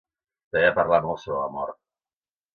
També va parlar molt sobre la mort.